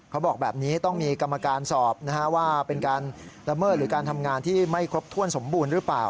เขาบอกแบบนี้ต้องมีกรรมการสอบนะฮะว่าเป็นการละเมิดหรือการทำงานที่ไม่ครบถ้วนสมบูรณ์หรือเปล่า